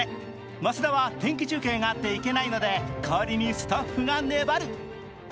増田は天気中継があって行けないので、代わりにスタッフが粘る。